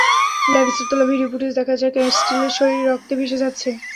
ল্যাভিসের তোলা ভিডিও ফুটেজে দেখা যায়, ক্যাস্টিলের শরীর রক্তে ভেসে যাচ্ছে।